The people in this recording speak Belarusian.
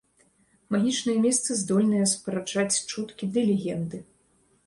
Магічныя месцы здольныя спараджаць чуткі ды легенды.